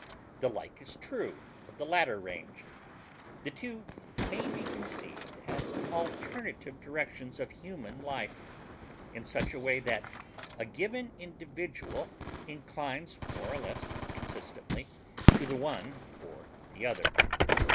The like is true of the latter range. The two may be conceived as alternative directions of human life, in such a way that a given individual inclines more or less consistently to the one or the other.